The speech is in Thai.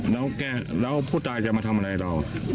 แล้วผู้ตายจะมาทำอะไรเรา